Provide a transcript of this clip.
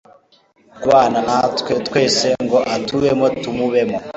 kubana natwe twese, ngo atubemo tumubemo